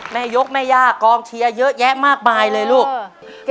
แม่ยกแม่ย่ากองเชียร์เยอะแยะมากมายเลยลูก